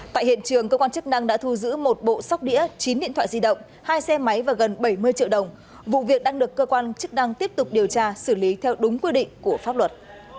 tại hiện trường cơ quan chức năng đã thu giữ một bộ sóc đĩa chín điện thoại di động hai xe máy và gần bảy mươi triệu đồng vụ việc đang được cơ quan chức năng tiếp tục điều tra xử lý theo đúng quy định của pháp luật